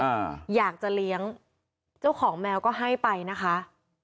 อ่าอยากจะเลี้ยงเจ้าของแมวก็ให้ไปนะคะ